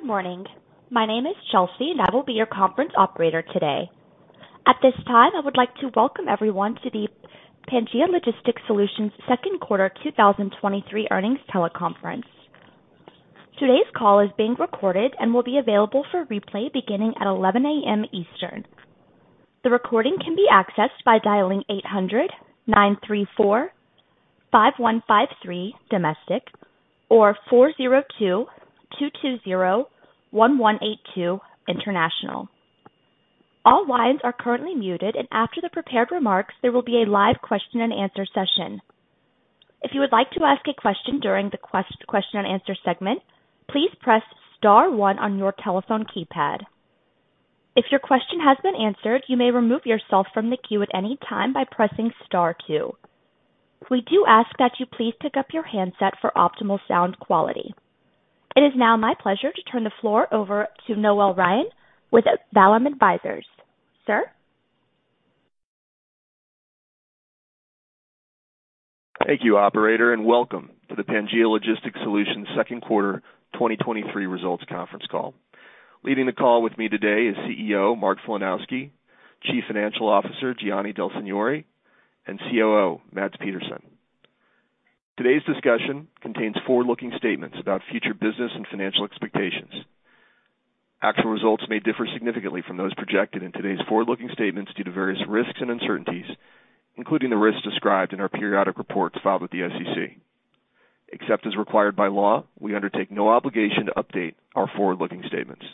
Good morning. My name is Chelsea. I will be your conference operator today. At this time, I would like to welcome everyone to the Pangaea Logistics Solutions second quarter 2023 earnings teleconference. Today's call is being recorded and will be available for replay beginning at 11:00 A.M. Eastern. The recording can be accessed by dialing 800-934-5153 domestic or 402-220-1182 international. All lines are currently muted. After the prepared remarks, there will be a live question-and-answer session. If you would like to ask a question during the question and answer segment, please press star one on your telephone keypad. If your question has been answered, you may remove yourself from the queue at any time by pressing star two. We do ask that you please pick up your handset for optimal sound quality. It is now my pleasure to turn the floor over to Noel Ryan with Vallum Advisors. Sir? Thank you, operator, and welcome to the Pangaea Logistics Solutions second quarter 2023 results conference call. Leading the call with me today is CEO, Mark Filanowski, Chief Financial Officer, Gianni Del Signore, and COO, Mads Petersen. Today's discussion contains forward-looking statements about future business and financial expectations. Actual results may differ significantly from those projected in today's forward-looking statements due to various risks and uncertainties, including the risks described in our periodic reports filed with the SEC. Except as required by law, we undertake no obligation to update our forward-looking statements.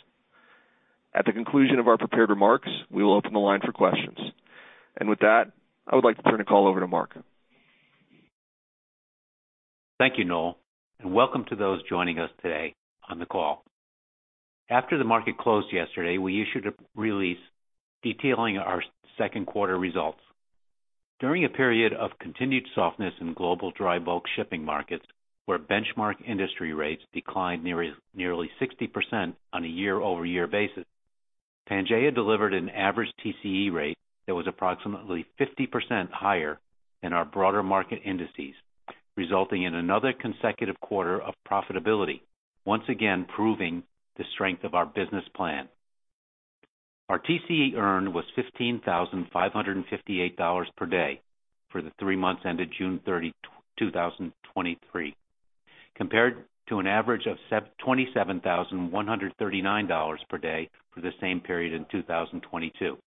At the conclusion of our prepared remarks, we will open the line for questions. With that, I would like to turn the call over to Mark. Thank you, Noel. Welcome to those joining us today on the call. After the market closed yesterday, we issued a release detailing our second quarter results. During a period of continued softness in global dry bulk shipping markets, where benchmark industry rates declined nearly 60% on a year-over-year basis, Pangaea delivered an average TCE rate that was approximately 50% higher than our broader market indices, resulting in another consecutive quarter of profitability, once again proving the strength of our business plan. Our TCE earn was $15,558 per day for the three months ended June 30, 2023, compared to an average of $27,139 per day for the same period in 2022.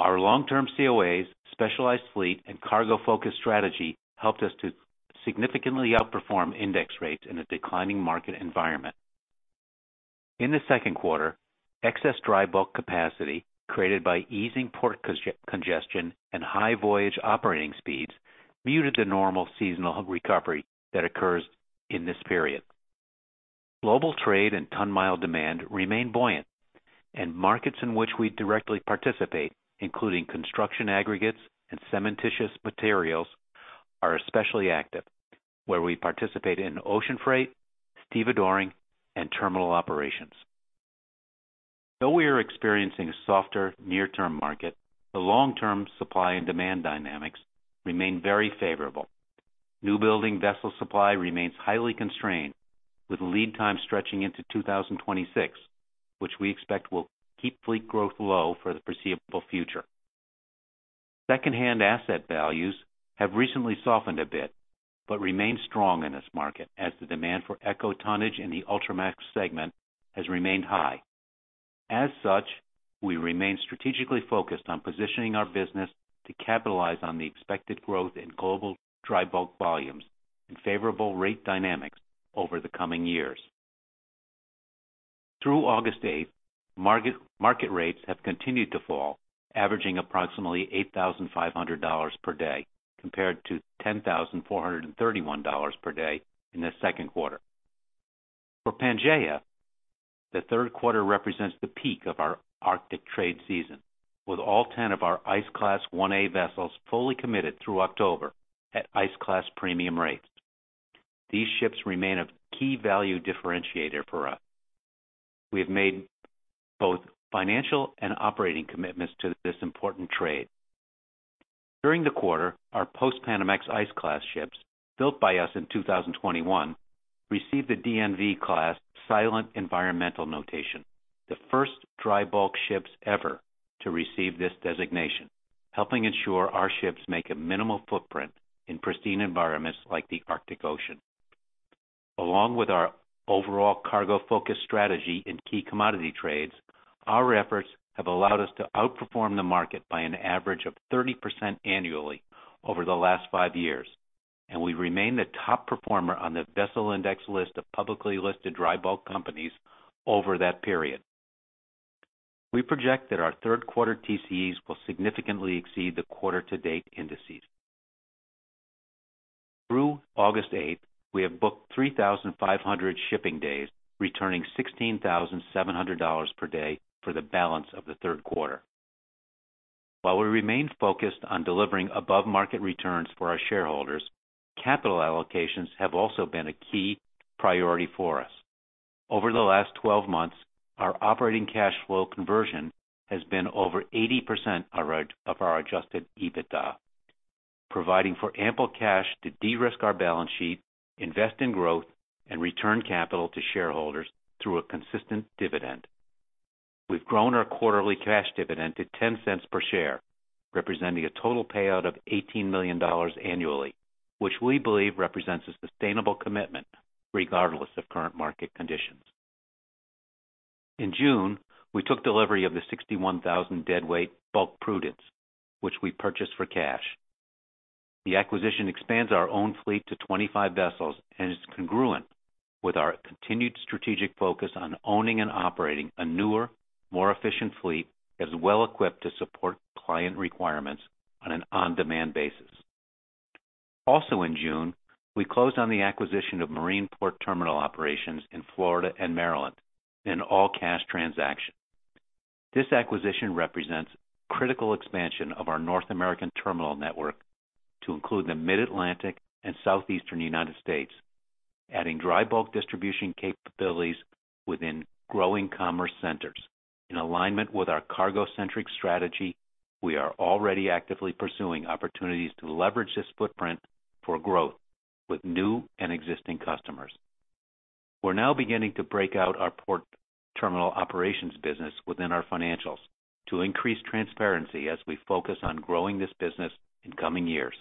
Our long-term COAs, specialized fleet and cargo-focused strategy helped us to significantly outperform index rates in a declining market environment. In the second quarter, excess dry bulk capacity, created by easing port congestion and high voyage operating speeds, muted the normal seasonal recovery that occurs in this period. Global trade and ton mile demand remain buoyant, and markets in which we directly participate, including construction aggregates and cementitious materials, are especially active, where we participate in ocean freight, stevedoring, and terminal operations. Though we are experiencing a softer near-term market, the long-term supply and demand dynamics remain very favorable. New building vessel supply remains highly constrained, with lead time stretching into 2026, which we expect will keep fleet growth low for the foreseeable future. Secondhand asset values have recently softened a bit, but remain strong in this market as the demand for eco-tonnage in the Ultramax segment has remained high. As such, we remain strategically focused on positioning our business to capitalize on the expected growth in global dry bulk volumes and favorable rate dynamics over the coming years. Through August 8th, market rates have continued to fall, averaging approximately $8,500 per day, compared to $10,431 per day in the second quarter. For Pangaea, the third quarter represents the peak of our Arctic trade season, with all 10 of our Ice Class 1A vessels fully committed through October at Ice Class premium rates. These ships remain a key value differentiator for us. We have made both financial and operating commitments to this important trade. During the quarter, our Post-Panamax Ice Class ships, built by us in 2021, received the DNV Class Silent Environmental Notation, the first dry bulk ships ever to receive this designation, helping ensure our ships make a minimal footprint in pristine environments like the Arctic Ocean. Along with our overall cargo-focused strategy in key commodity trades, our efforts have allowed us to outperform the market by an average of 30% annually over the last five years. We remain the top performer on the Vesselindex list of publicly listed dry bulk companies over that period. We project that our third quarter TCEs will significantly exceed the quarter-to-date indices. Through August eighth, we have booked 3,500 shipping days, returning $16,700 per day for the balance of the third quarter. While we remain focused on delivering above-market returns for our shareholders, capital allocations have also been a key priority for us. Over the last 12 months, our operating cash flow conversion has been over 80% of our adjusted EBITDA, providing for ample cash to de-risk our balance sheet, invest in growth, and return capital to shareholders through a consistent dividend. We've grown our quarterly cash dividend to $0.10 per share, representing a total payout of $18 million annually, which we believe represents a sustainable commitment regardless of current market conditions. In June, we took delivery of the 61,000 deadweight Bulk Prudence, which we purchased for cash. The acquisition expands our own fleet to 25 vessels and is congruent with our continued strategic focus on owning and operating a newer, more efficient fleet, as well equipped to support client requirements on an on-demand basis. In June, we closed on the acquisition of marine port terminal operations in Florida and Maryland in an all-cash transaction. This acquisition represents critical expansion of our North American terminal network to include the Mid-Atlantic and Southeastern United States, adding dry bulk distribution capabilities within growing commerce centers. In alignment with our cargo-centric strategy, we are already actively pursuing opportunities to leverage this footprint for growth with new and existing customers. We're now beginning to break out our port terminal operations business within our financials to increase transparency as we focus on growing this business in coming years.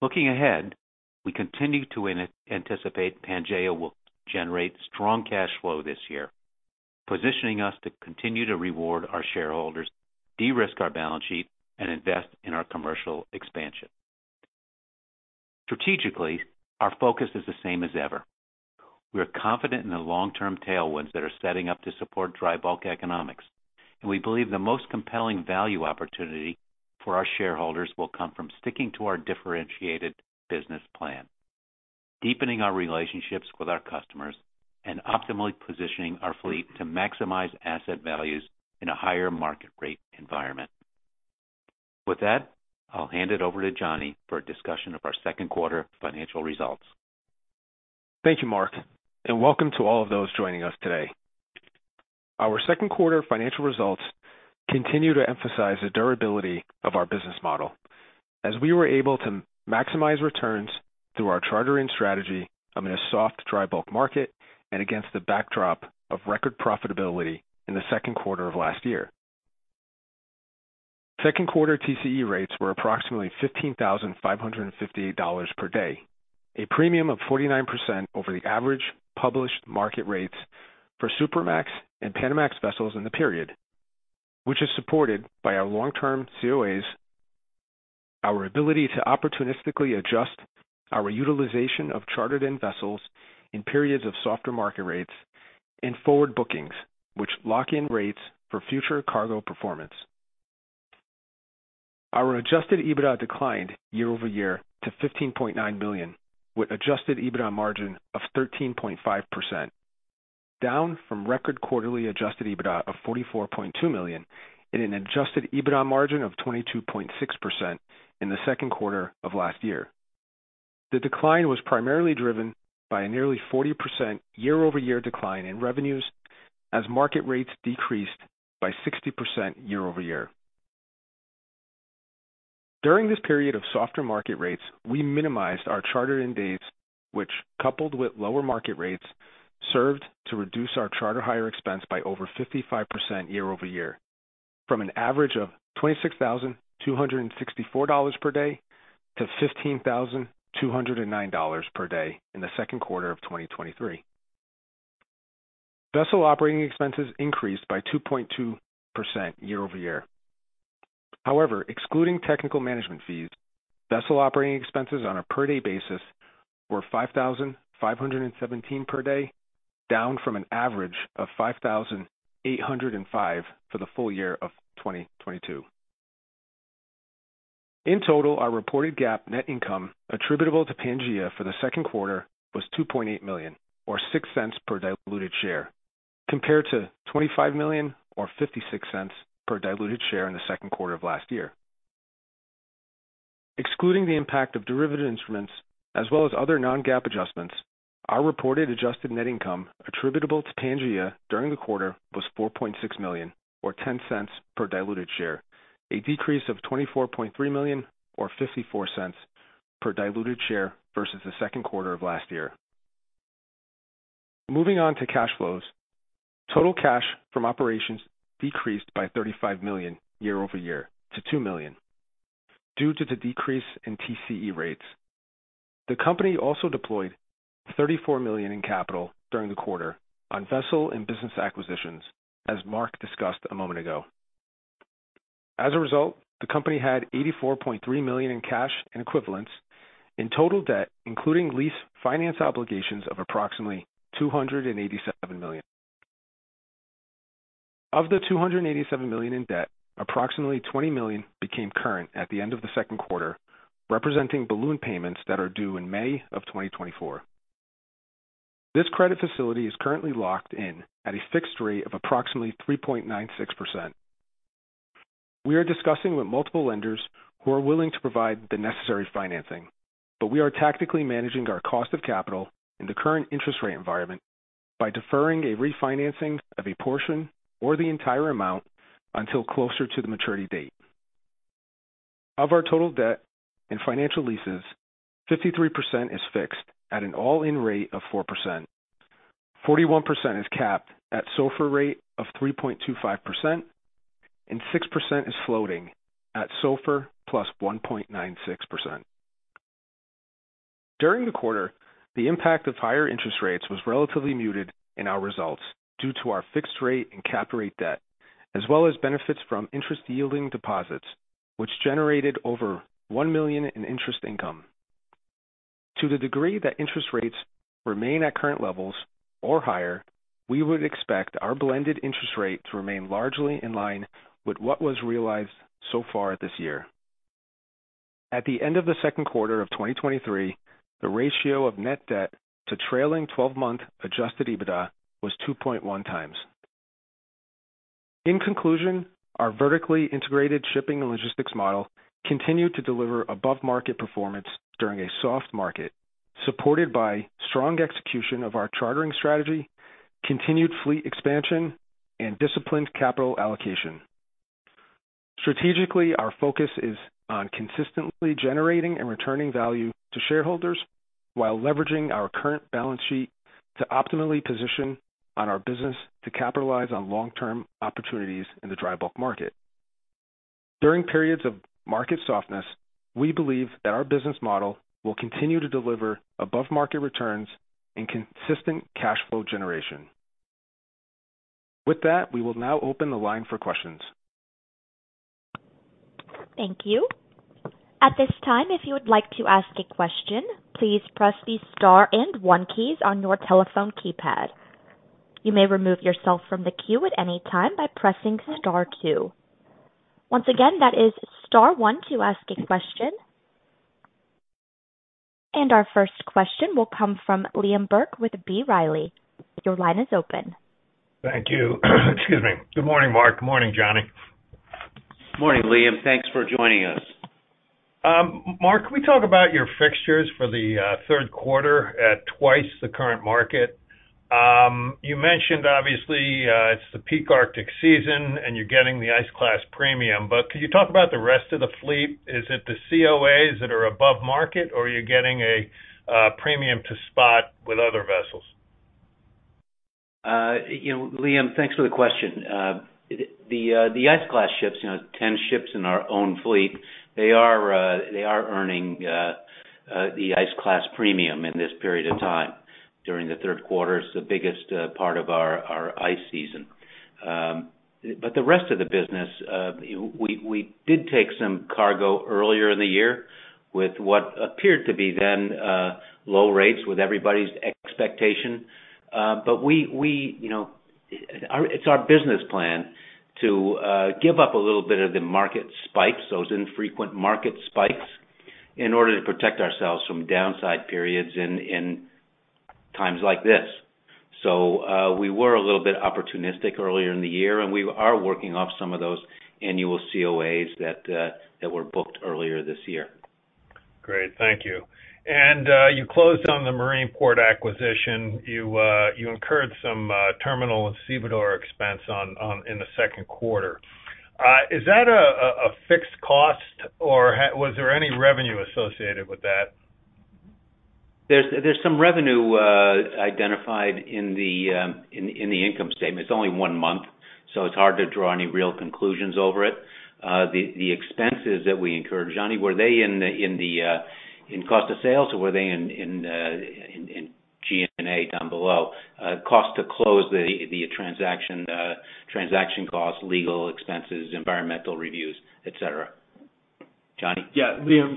Looking ahead, we continue to anticipate Pangaea will generate strong cash flow this year, positioning us to continue to reward our shareholders, de-risk our balance sheet, and invest in our commercial expansion. Strategically, our focus is the same as ever. We are confident in the long-term tailwinds that are setting up to support dry bulk economics, and we believe the most compelling value opportunity for our shareholders will come from sticking to our differentiated business plan, deepening our relationships with our customers, and optimally positioning our fleet to maximize asset values in a higher market rate environment. With that, I'll hand it over to Gianni for a discussion of our second quarter financial results. Thank you, Mark. Welcome to all of those joining us today. Our second quarter financial results continue to emphasize the durability of our business model as we were able to maximize returns through our chartering strategy amid a soft, dry bulk market and against the backdrop of record profitability in the second quarter of last year. Second quarter TCE rates were approximately $15,558 per day, a premium of 49% over the average published market rates for Supramax and Panamax vessels in the period, which is supported by our long-term COAs. Our ability to opportunistically adjust our utilization of chartered-in vessels in periods of softer market rates and forward bookings, which lock in rates for future cargo performance. Our adjusted EBITDA declined year-over-year to $15.9 million, with adjusted EBITDA margin of 13.5%, down from record quarterly adjusted EBITDA of $44.2 million and an adjusted EBITDA margin of 22.6% in the second quarter of 2022. The decline was primarily driven by a nearly 40% year-over-year decline in revenues as market rates decreased by 60% year-over-year. During this period of softer market rates, we minimized our chartered-in days, which, coupled with lower market rates, served to reduce our charter hire expense by over 55% year-over-year, from an average of $26,264 per day to $15,209 per day in the second quarter of 2023. Vessel operating expenses increased by 2.2% year-over-year. However, excluding technical management fees, vessel operating expenses on a per-day basis were $5,517 per day, down from an average of $5,805 for the full year of 2022. In total, our reported GAAP net income attributable to Pangaea for the second quarter was $2.8 million, or $0.06 per diluted share, compared to $25 million or $0.56 per diluted share in the second quarter of last year. Excluding the impact of derivative instruments as well as other non-GAAP adjustments, our reported adjusted net income attributable to Pangaea during the quarter was $4.6 million, or $0.10 per diluted share, a decrease of $24.3 million, or $0.54 per diluted share versus the second quarter of last year. Moving on to cash flows. Total cash from operations decreased by $35 million year-over-year to $2 million due to the decrease in TCE rates. The company also deployed $34 million in capital during the quarter on vessel and business acquisitions, as Mark discussed a moment ago. As a result, the company had $84.3 million in cash equivalents in total debt, including lease finance obligations of approximately $287 million. Of the $287 million in debt, approximately $20 million became current at the end of the second quarter, representing balloon payments that are due in May of 2024. This credit facility is currently locked in at a fixed rate of approximately 3.96%. We are discussing with multiple lenders who are willing to provide the necessary financing, but we are tactically managing our cost of capital in the current interest rate environment-... by deferring a refinancing of a portion or the entire amount until closer to the maturity date. Of our total debt and financial leases, 53% is fixed at an all-in rate of 4%. 41% is capped at SOFR rate of 3.25%, and 6% is floating at SOFR plus 1.96%. During the quarter, the impact of higher interest rates was relatively muted in our results due to our fixed rate and cap rate debt, as well as benefits from interest-yielding deposits, which generated over $1 million in interest income. To the degree that interest rates remain at current levels or higher, we would expect our blended interest rate to remain largely in line with what was realized so far this year. At the end of the second quarter of 2023, the ratio of net debt to trailing 12-month adjusted EBITDA was 2.1x. In conclusion, our vertically integrated shipping and logistics model continued to deliver above-market performance during a soft market, supported by strong execution of our chartering strategy, continued fleet expansion, and disciplined capital allocation. Strategically, our focus is on consistently generating and returning value to shareholders while leveraging our current balance sheet to optimally position on our business to capitalize on long-term opportunities in the dry bulk market. During periods of market softness, we believe that our business model will continue to deliver above-market returns and consistent cash flow generation. With that, we will now open the line for questions. Thank you. At this time, if you would like to ask a question, please press the star and one keys on your telephone keypad. You may remove yourself from the queue at any time by pressing star two. Once again, that is star one to ask a question. Our first question will come from Liam Burke with B. Riley. Your line is open. Thank you. Excuse me. Good morning, Mark. Good morning, Gianni. Good morning, Liam. Thanks for joining us. Mark, can we talk about your fixtures for the third quarter at twice the current market? You mentioned obviously, it's the peak Arctic season, and you're getting the Ice Class premium, but could you talk about the rest of the fleet? Is it the COAs that are above market, or are you getting a premium to spot with other vessels? You know, Liam, thanks for the question. The, the Ice Class ships, you know, 10 ships in our own fleet, they are earning the Ice Class premium in this period of time. During the third quarter, it's the biggest part of our, our ice season. The rest of the business, we, we did take some cargo earlier in the year with what appeared to be then low rates with everybody's expectation. We, we, you know, it's our business plan to give up a little bit of the market spikes, those infrequent market spikes, in order to protect ourselves from downside periods in, in times like this. We were a little bit opportunistic earlier in the year, and we are working off some of those annual COAs that were booked earlier this year. Great. Thank you. You closed on the marine port acquisition. You incurred some terminal and stevedore expense in the second quarter. Is that a fixed cost, or was there any revenue associated with that? There's some revenue identified in the income statement. It's only one month, so it's hard to draw any real conclusions over it. The expenses that we incurred, Gianni, were they in the cost of sales, or were they in G&A down below? Cost to close the transaction, transaction costs, legal expenses, environmental reviews, et cetera. Gianni? Yeah, Liam,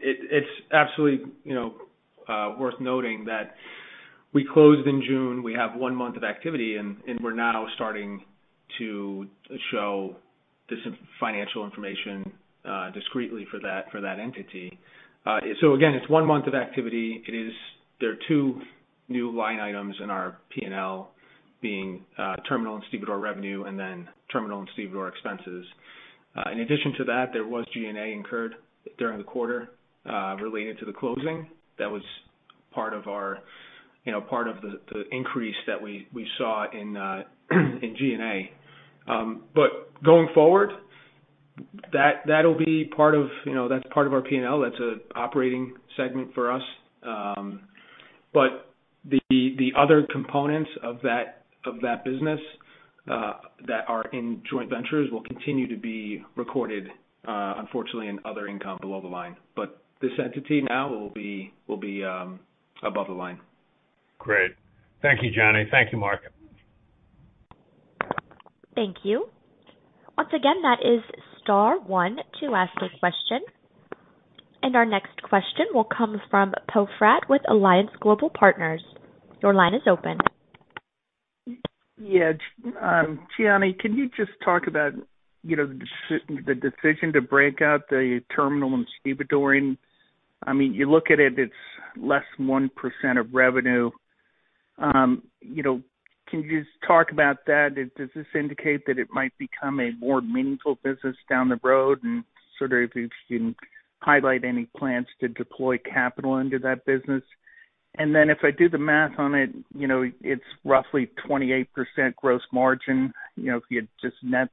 it, it's absolutely, you know, worth noting that we closed in June. We have one month of activity, and, and we're now starting to show this financial information discretely for that, for that entity. Again, it's one month of activity. There are two new line items in our P&L, being terminal and stevedore revenue, and then terminal and stevedore expenses. In addition to that, there was G&A incurred during the quarter related to the closing. That was part of our, you know, part of the, the increase that we, we saw in G&A. Going forward, that, that'll be part of, you know, that's part of our P&L. That's an operating segment for us. The other components of that, of that business, that are in joint ventures will continue to be recorded, unfortunately, in other income below the line. This entity now will be, will be, above the line. Great. Thank you, Gianni. Thank you, Mark. Thank you. Once again, that is star one to ask a question. Our next question will come from Poe Fratt with Alliance Global Partners. Your line is open. Yeah. Gianni, can you just talk about, you know, the de- the decision to break out the terminal and stevedoring? I mean, you look at it, it's less than 1% of revenue. You know-... Can you just talk about that? Does this indicate that it might become a more meaningful business down the road? Sort of, if you can highlight any plans to deploy capital into that business. Then if I do the math on it, you know, it's roughly 28% gross margin, you know, if you just net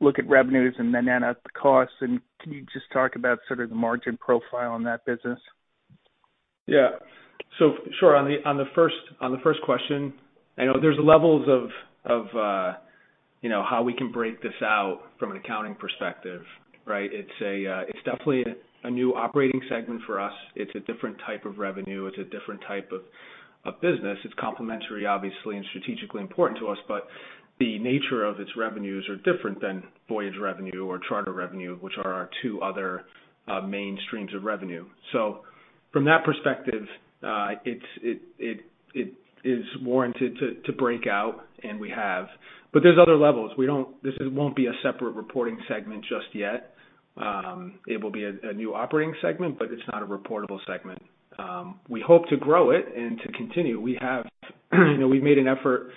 look at revenues and then add up the costs. Can you just talk about sort of the margin profile on that business? Yeah. Sure, on the, on the first, on the first question, I know there's levels of, of, you know, how we can break this out from an accounting perspective, right? It's a, it's definitely a, a new operating segment for us. It's a different type of revenue. It's a different type of, of business. It's complementary, obviously, and strategically important to us, but the nature of its revenues are different than voyage revenue or charter revenue, which are our two other, main streams of revenue. From that perspective, it's, it, it, it is warranted to, to break out, and we have. There's other levels. This won't be a separate reporting segment just yet. It will be a, a new operating segment, but it's not a reportable segment. We hope to grow it and to continue. We have, you know, we've made an effort,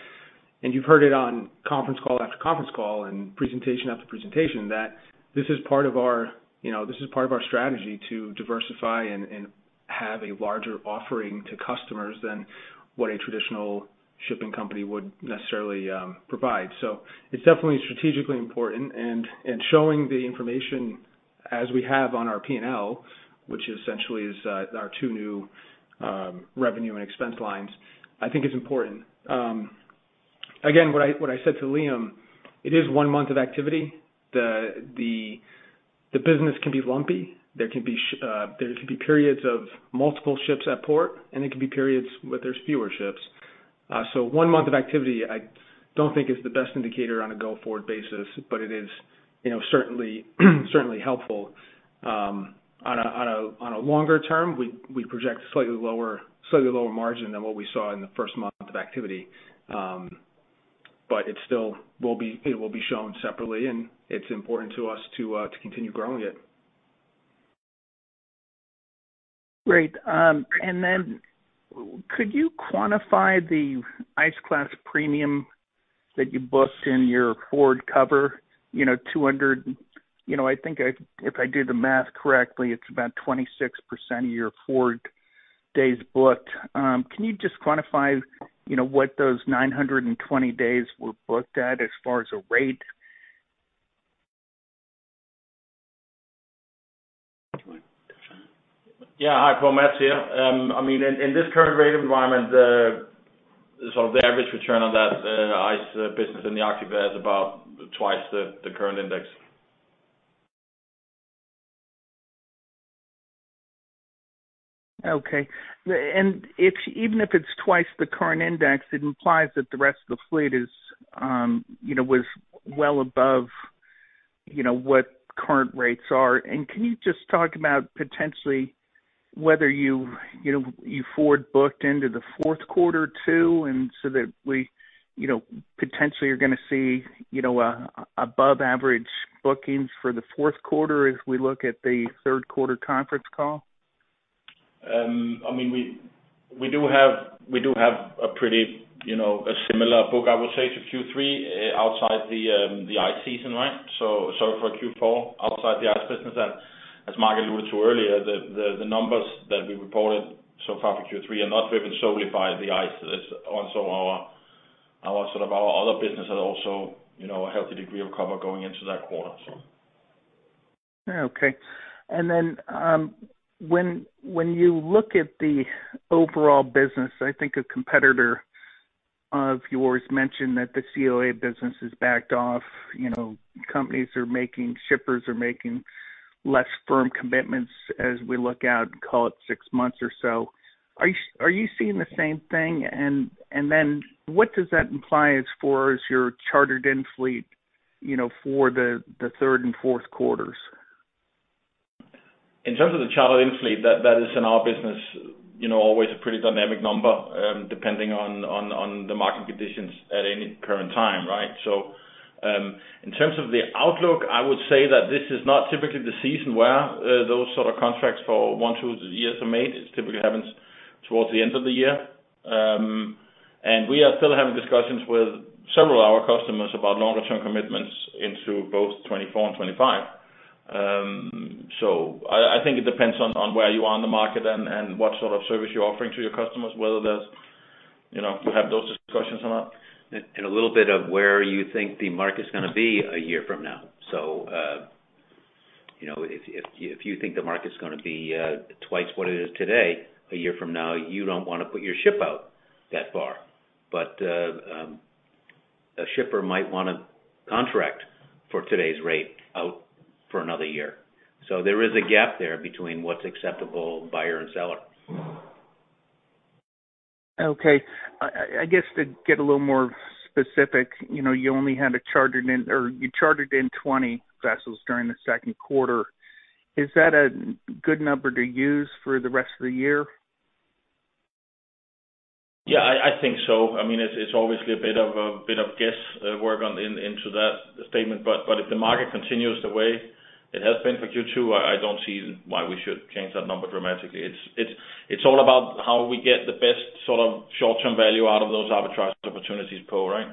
and you've heard it on conference call after conference call and presentation after presentation, that this is part of our, you know, this is part of our strategy to diversify and, and have a larger offering to customers than what a traditional shipping company would necessarily provide. It's definitely strategically important and, and showing the information as we have on our P&L, which essentially is our two new revenue and expense lines, I think is important. What I, what I said to Liam, it is one month of activity. The, the, the business can be lumpy. There can be there can be periods of multiple ships at port, and there can be periods where there's fewer ships. One month of activity, I don't think is the best indicator on a go-forward basis, but it is, you know, certainly, certainly helpful. On a longer term, we project slightly lower, slightly lower margin than what we saw in the first month of activity. It still will be shown separately, and it's important to us to continue growing it. Great. Then could you quantify the Ice Class premium that you booked in your forward cover? You know, I think I, if I do the math correctly, it's about 26% of your forward days booked. Can you just quantify, you know, what those 920 days were booked at as far as a rate? Yeah. Hi, Poe. Mads here. I mean, in, in this current rate environment, sort of the average return on that ice business in the Arctic is about twice the, the current index. Okay. If, even if it's twice the current index, it implies that the rest of the fleet is, you know, was well above, you know, what current rates are. Can you just talk about potentially whether you, you know, you forward-booked into the fourth quarter, too, and so that we, you know, potentially are going to see, you know, above average bookings for the fourth quarter as we look at the third quarter conference call? I mean, we do have a pretty, you know, a similar book, I would say, to Q3, outside the ice season, right? For Q4, outside the ice business, and as Mark alluded to earlier, the numbers that we reported so far for Q3 are not driven solely by the ice. It's also our sort of our other business that also, you know, a healthy degree of cover going into that quarter. Okay. Then, when, when you look at the overall business, I think a competitor of yours mentioned that the COA business has backed off. You know, companies are making, shippers are making less firm commitments as we look out, call it six months or so. Are you, are you seeing the same thing? Then what does that imply as far as your chartered in fleet, you know, for the third and fourth quarters? In terms of the chartered in fleet, that, that is in our business, you know, always a pretty dynamic number, depending on the market conditions at any current time, right? In terms of the outlook, I would say that this is not typically the season where those sort of contracts for one, two years are made. It typically happens towards the end of the year. We are still having discussions with several of our customers about longer-term commitments into both 2024 and 2025. I think it depends on where you are in the market and what sort of service you're offering to your customers, whether there's, you know, you have those discussions or not. A little bit of where you think the market's gonna be a year from now. You know, if, if, if you think the market's gonna be twice what it is today, a year from now, you don't want to put your ship out that far. A shipper might want to contract for today's rate out for another year. There is a gap there between what's acceptable, buyer and seller. Okay. I, I guess to get a little more specific, you know, you only had a chartered in or you chartered in 20 vessels during the second quarter. Is that a good number to use for the rest of the year? Yeah, I, I think so. I mean, it's, it's obviously a bit of, a bit of guess, work into that statement. if the market continues the way- It has been for Q2, I don't see why we should change that number dramatically. It's all about how we get the best sort of short-term value out of those arbitrage opportunities, Poe, right?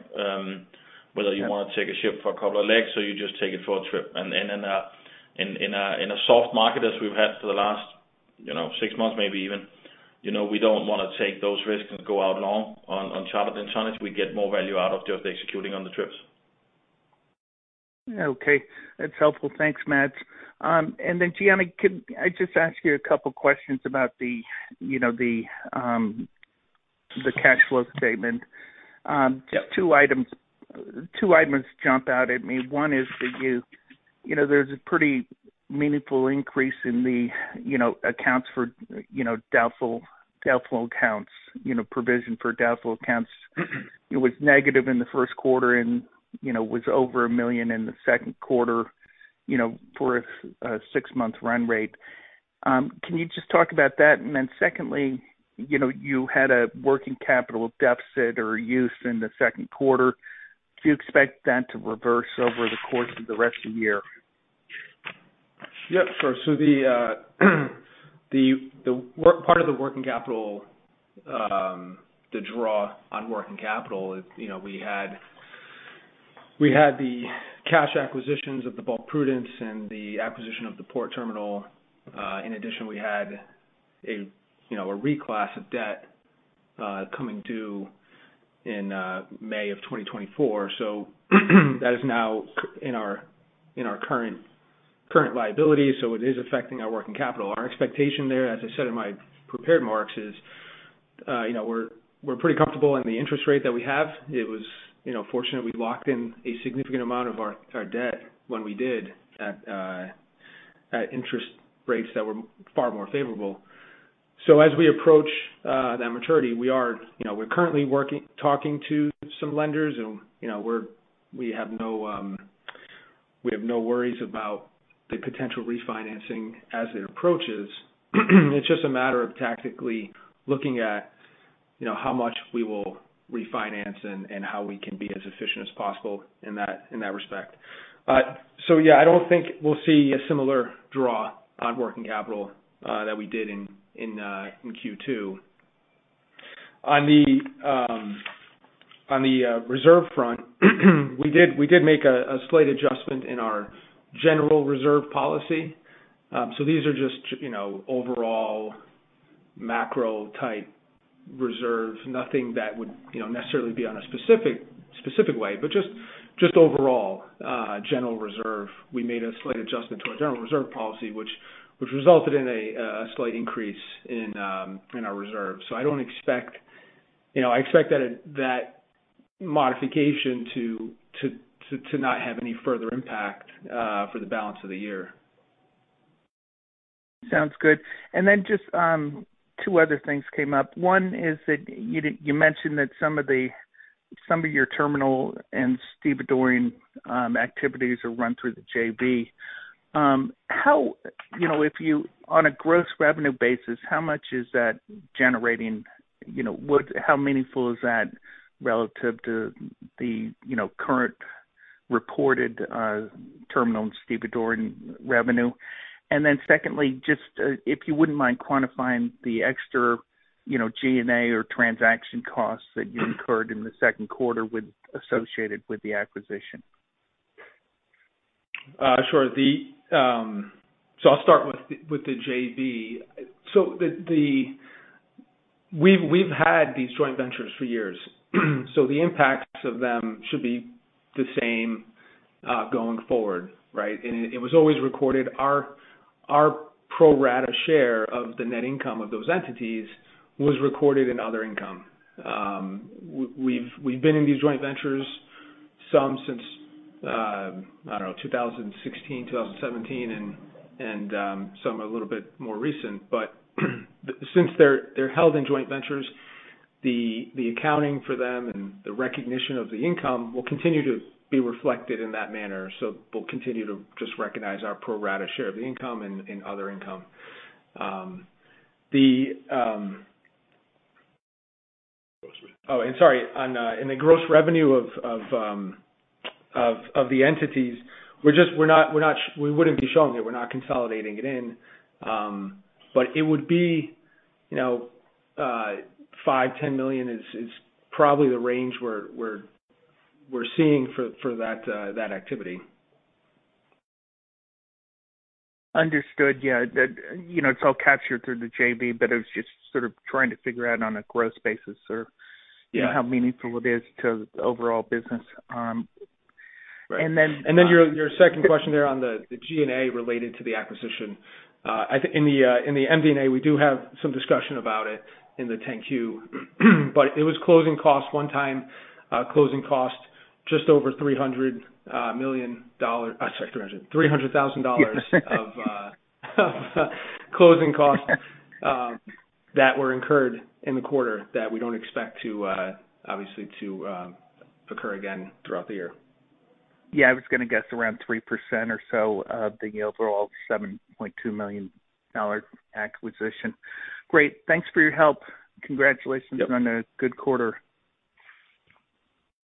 Whether you wanna take a ship for a couple of legs or you just take it for a trip. Then in a soft market, as we've had for the last, you know, six months, maybe even, you know, we don't wanna take those risks and go out long on, on chartered and tonnage. We get more value out of just executing on the trips. Okay. That's helpful. Thanks, Mads. Then, Gianni, can I just ask you a couple questions about the, you know, the cash flow statement? Yep. Just two items, two items jump out at me. One is that you, you know, there's a pretty meaningful increase in the, you know, accounts for, you know, doubtful, doubtful accounts. You know, provision for doubtful accounts, it was negative in the first quarter and, you know, was over $1 million in the second quarter, you know, for a six-month run rate. Can you just talk about that? Then secondly, you know, you had a working capital deficit or use in the second quarter. Do you expect that to reverse over the course of the rest of the year? Yep, sure. The work- part of the working capital, the draw on working capital is, you know, we had, we had the cash acquisitions of the Bulk Prudence and the acquisition of the port terminal. In addition, we had a, you know, a reclass of debt, coming due in May of 2024. That is now in our, in our current, current liability, so it is affecting our working capital. Our expectation there, as I said in my prepared remarks, is, you know, we're, we're pretty comfortable in the interest rate that we have. It was, you know, fortunate we locked in a significant amount of our, our debt when we did at interest rates that were far more favorable. As we approach that maturity, we are, you know, we're currently working talking to some lenders and, you know, we're, we have no, we have no worries about the potential refinancing as it approaches. It's just a matter of tactically looking at, you know, how much we will refinance and, and how we can be as efficient as possible in that, in that respect. Yeah, I don't think we'll see a similar draw on working capital that we did in, in Q2. On the, on the reserve front, we did, we did make a, a slight adjustment in our general reserve policy. These are just, you know, overall macro-type reserves. Nothing that would, you know, necessarily be on a specific, specific way, but just, just overall general reserve. We made a slight adjustment to our general reserve policy, which resulted in a slight increase in our reserves. You know, I expect that modification to not have any further impact for the balance of the year. Sounds good. Just two other things came up. One is that you mentioned that some of your terminal and stevedoring activities are run through the JV. How, you know, if you, on a gross revenue basis, how much is that generating? You know, how meaningful is that relative to the, you know, current reported terminal and stevedoring revenue? Secondly, just, if you wouldn't mind quantifying the extra, you know, G&A or transaction costs that you incurred in the second quarter associated with the acquisition. Sure. I'll start with the, with the JV. We've had these joint ventures for years, so the impacts of them should be the same going forward, right? It was always recorded, our pro rata share of the net income of those entities was recorded in other income. We've been in these joint ventures, some since, I don't know, 2016, 2017, some a little bit more recent. Since they're held in joint ventures, the accounting for them and the recognition of the income will continue to be reflected in that manner. We'll continue to just recognize our pro rata share of the income and other income. Gross. In the gross revenue of the entities, we're not, we wouldn't be showing it. We're not consolidating it in, but it would be, you know, $5 million-$10 million is probably the range we're seeing for that activity. Understood. Yeah, the, you know, it's all captured through the JV, but it was just sort of trying to figure out on a growth basis or- Yeah you know, how meaningful it is to the overall business. Right. Then. Then your, your second question there on the G&A related to the acquisition. I think in the MD&A, we do have some discussion about it in the 10-Q, but it was closing costs, one-time, closing cost, just over $300 million. Sorry, $300,000 of closing costs that were incurred in the quarter that we don't expect to obviously to occur again throughout the year. Yeah, I was gonna guess around 3% or so of the overall $7.2 million acquisition. Great. Thanks for your help. Yep. Congratulations on a good quarter.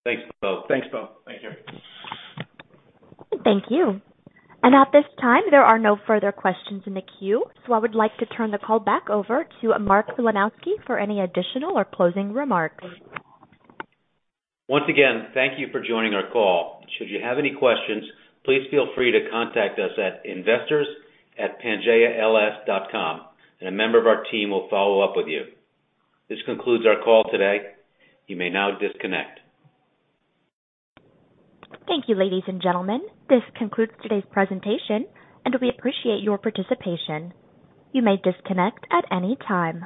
Thanks, Poe. Thanks, Poe. Thank you. Thank you. At this time, there are no further questions in the queue, I would like to turn the call back over to Mark Filanowski for any additional or closing remarks. Once again, thank you for joining our call. Should you have any questions, please feel free to contact us at investors@pangaeals.com, and a member of our team will follow up with you. This concludes our call today. You may now disconnect. Thank you, ladies and gentlemen. This concludes today's presentation. We appreciate your participation. You may disconnect at any time.